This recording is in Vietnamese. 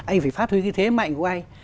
anh phải phát huy cái thế mạnh của anh